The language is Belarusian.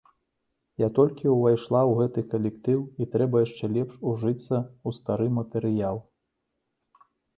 Я толькі ўвайшла ў гэты калектыў і трэба яшчэ лепш ужыцца ў стары матэрыял.